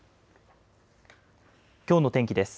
きょうの天気です。